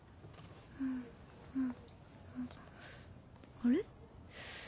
あれ？